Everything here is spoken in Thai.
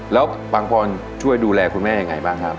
แล้วปังพรช่วยดูแลคุณแม่ยังไงบ้างครับ